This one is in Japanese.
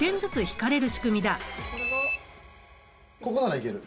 ここならいける。